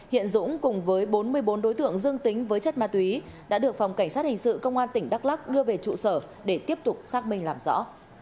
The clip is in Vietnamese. hiện dũng cùng với bốn mươi bốn đối tượng dương tính với chất ma túy đã được phòng cảnh sát hình sự công an tỉnh đắk lắc đưa về trụ sở để tiếp tục xác minh làm rõ